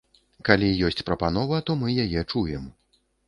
Калі ёсць прапанова, то мы яе чуем.